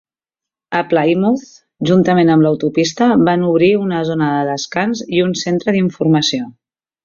A Plymouth, juntament amb l'autopista, van obrir una zona de descans i un centre d'informació.